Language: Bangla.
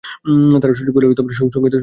তাঁরা সুযোগ পেলেই সঙ্গীতের আসর জমাতেন।